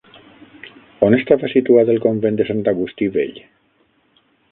On estava situat el Convent de Sant Agustí Vell?